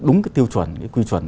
đúng cái tiêu chuẩn cái quy chuẩn